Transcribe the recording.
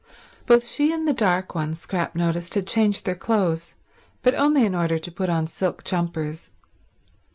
Both she and the dark one, Scrap noticed, had changed their clothes, but only in order to put on silk jumpers.